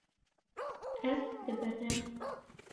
Ez dibirim.